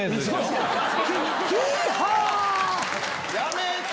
やめて！